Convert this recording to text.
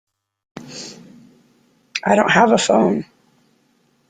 I don't have a phone.